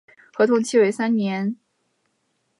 合同期为三年。